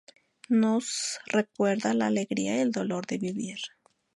Nos recuerda la alegría y el dolor de vivir.